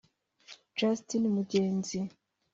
Justin Mugenzi